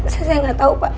saya gak tahu pak